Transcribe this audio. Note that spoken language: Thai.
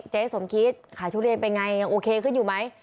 สมคิดขายทุเรียนเป็นไงยังโอเคขึ้นอยู่ไหม